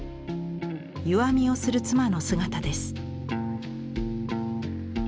湯あみをする妻の姿です。